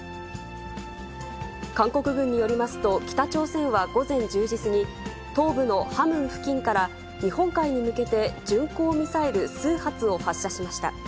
韓国軍によりますと、北朝鮮は午前１０時過ぎ、東部のハムン付近から日本海に向けて巡航ミサイル数発を発射しました。